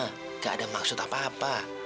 tidak ada maksud apa apa